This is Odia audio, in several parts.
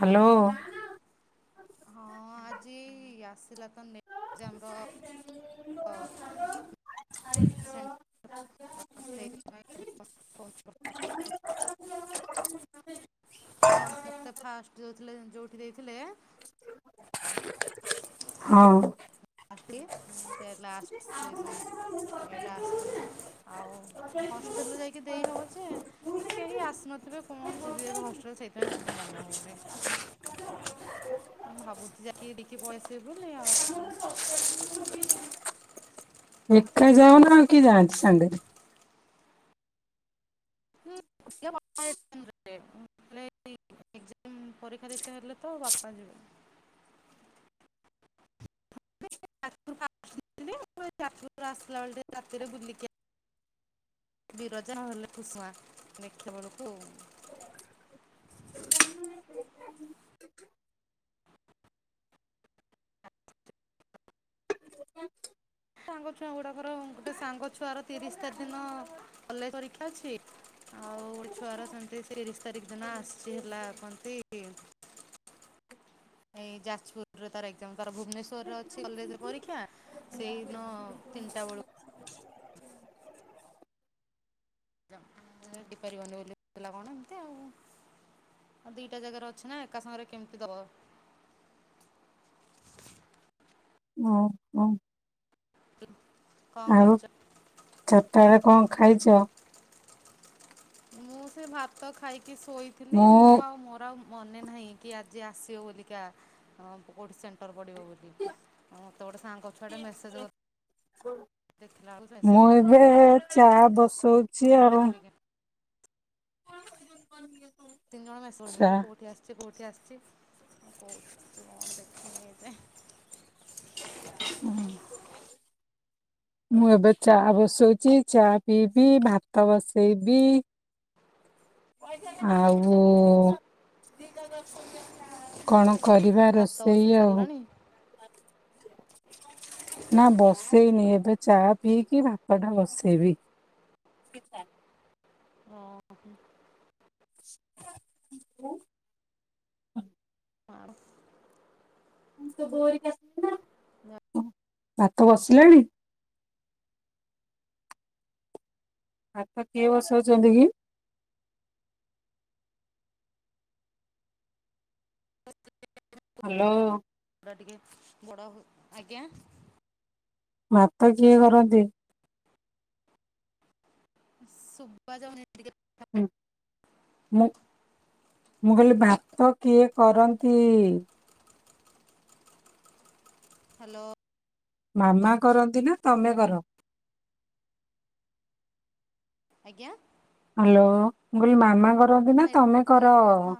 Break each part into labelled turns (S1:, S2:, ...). S1: ହାଲୋ-
S2: ହଁ ଆଜି ଆସିଲା ତ- ଯେ ମର- ସେଥିପାଇଁ [unintelligible]
S1: [unintelligible]
S2: ସମସ୍ତେ ଫାଷ୍ଟ ଯୋଉଥିଲେ ଯୋଉଠି ଦେଇଥିଲେ-
S1: ହଁ-
S2: କିଏ? ସେ ଲାଷ୍ଟ ସେ ଏଟା ଆସିଛି ଆଉ ହଷ୍ଟେଲରେ ଯାଇକି ଦେଇହେବ ଯେ ମାନେ କେହି ଆସିନଥିବେ କଣ ଯିବି ଏବେ ହଷ୍ଟେଲ ସେଇଥିପାଇଁ ଯାଇ ମନ ହେଉନି- ମୁଁ ଭାବୁଛି ଯାକି ଦେକି ଭଏସ ସେ ବଲି ଆଉ
S1: ଏକା ଯାଉନା ଆଉ କିଏ ଯାଆନ୍ତି ସାଙ୍ଗରେ
S2: ପରୀକ୍ଷା ଦେଇ ହେଲେ ତ ବାପା ଯିବେ ରାସଲା ଚାତରେ ବୁଲିିକ [unintelligible] [inaudible] ବିରଯା ନହଲେ ଖୁସୁମା ଦେଖିବା ବେଳକୁ ସାଙ୍ଗ ଛୁଆ ଗୁଡ଼ାକର ଗୋଟେ ସାଙ୍ଗ ଛୁଆର ତିରିଶ ତାରିଖ ଦିନ କଲେଜ ପରୀକ୍ଷା ଅଛି ଆଉ ଗୋଟେ ଛୁଆର ସେମିତି ତିରିଶ ତାରିଖ ଦିନ ଆସିଛି ହେଲା କରନ୍ତି ଏଇ ଯାଜପୁରରେ ତାର ଏକ୍ସଜାମ ତାର ଭୁବନେଶ୍ୱର ରେ ଅଛି କଲେଜ ପରୀକ୍ଷା ସେଇଦିନ ତିନିଟା ବେଳକୁ। ପାରିବନି ବୋଲି କଣ ଏମତି ଆଉ ଆଉ ଦିଟା ଜାଗାରେ ଅଛି ନା ଏକା ସାଙ୍ଗରେ କେମିତି ଦବ
S1: ହଁ ହଁ।
S2: ହୁଁ।
S1: ଆଉ ଛାରିଟ କଣ ଖାଇଛ?
S2: ମୁଁ ସେ ଭାତ ଖାଇକି କି ଶୋଇଥିଲି ମୁଁ ଆଉ ମୋର ଆଉ ମନେ ନାହିଁ କି ଆଜି ଆସିବ ବୋଲିକା କଠି ସେଣ୍ଟର ବଡ଼ିବ ବୋଲି ଆଉ ମୋତେ ଗୋଟେ ସାଙ୍କ ଛୁଆଟେ ମେସେଜ୍ ଦେଖିଲା ବେଳକୁ
S1: ମୁଁ
S2: ମେସେଜ୍
S1: ଏବେ ଚା ବସ୍ ରଉଛିି ଆର କ
S2: ତିନି ଜଣେସେ କଉଠି ଆସିଛି କଉଠି ଆସିଛି। କ କଣ ଦେଖିନ ଯେ
S1: ହୁଁ। ମୁଁ ଏବେ ଚା ବସଉଛି ଚା ପିଇବି ଭାତ ବସେଇବି ଆଉ କଣ? କରିବା
S2: ଭାତ
S1: ରୋଷେଇ
S2: ବସେଇ
S1: ଆଉ।
S2: ସାରିଲାଣି
S1: ନା ବସେଇନି ଏବେ ଚା ପିଇକି ଭାତ ଟା ବସେଇବି
S2: ଓ ହ
S1: ହ୍ୟା ଭାତ ବସିଲାଣି ଭାତ କିଏ ବସାଉଛନ୍ତି କି? ହାଲୋ
S2: ଟିକେ ବଡ ଆଜ୍ଞା
S1: ଭାତ କିଏ କରନ୍ତି।
S2: ସୁଭା ଯାଉନ ଟିକେ
S1: ମୁ ମୁଁ କହିଲି ଭାତ କିଏ କରନ୍ତି?
S2: ହାଲୋ
S1: ମାମା କରନ୍ତି ନା ତମେ କର
S2: ଆଜ୍ଞା।
S1: ହ୍ୟାଲୋ ମୁଁ କଇଲି ମାମ
S2: ନେ ନେଟଆ ହଁ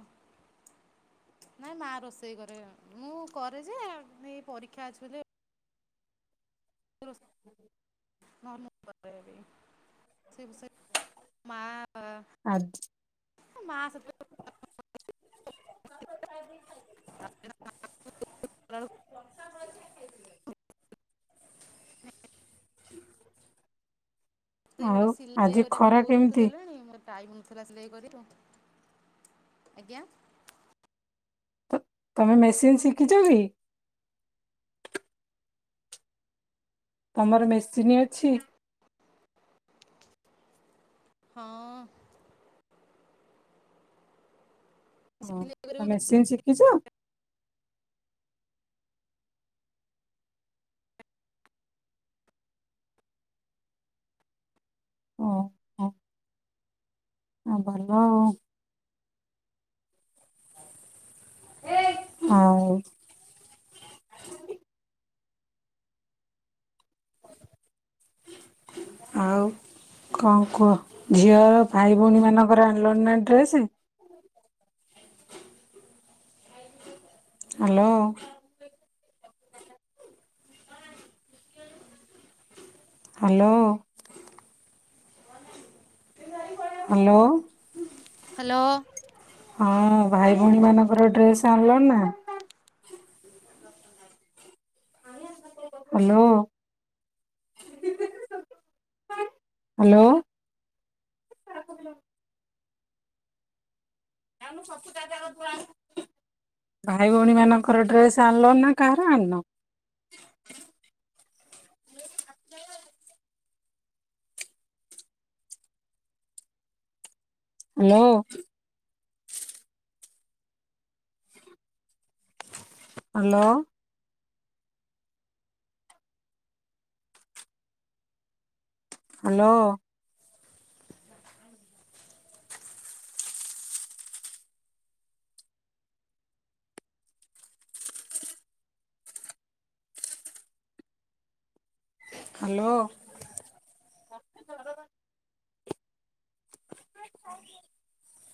S2: ନାଇଁ ମ ର ସେଇ କରେ ମୁଁ କରେ ଯେ ଏଇ ପରୀକ୍ଷା ଅଛି ବୋଲି ନ [unintelligible] ମା।
S1: ଆଜ
S2: ମା। [unintelligible]
S1: ଆଉ
S2: ମତେଗୁଟା ସିଲେଇ
S1: ଆଜି
S2: କରିବାକୁ
S1: ଖରା
S2: କଉ ଦୁନଠୁ
S1: କେମିତି
S2: ଦେଲେଣି ମତେ ଟାଇମ୍ ନଥିଲା ସିଲେଇ କରିବାକୁ, ଆଜ୍ଞା।
S1: ତ ତମେ ମେସିନ୍ ଶିଖିଚ କି? ତମର ମେସିିନ ଅଛି?
S2: ହଁ।
S1: ହଁ
S2: ସିଲେଇ
S1: ତ
S2: କରିବାକୁ
S1: ମେସିନ୍ ଶିଖିଚ? ହଁ ହ ଭଲ। ହଉ। ଆଉ କଣ କୁହ। ଝିଅ, ଭାଇ, ଭଉଣୀ ମାନଙ୍କର ଆଣିଲଣି ନା dress? Hello. Hello. Hello.
S2: Hello.
S1: ହଁ ଭାଇ ଭଉଣୀ ମାନଙ୍କର ଡ୍ରେସ ଆଣିଲ ନା? ହାଲୋ। ହାଲୋ। ଭାଇ ଭଉଣୀ ମାନଙ୍କର ଡ୍ରେସ୍ ଆଣିଲ ନା କାହାର ଆଣିନ? ହାଲୋ। ହାଲୋ। ହାଲୋ। ହାଲୋ। [inaudible]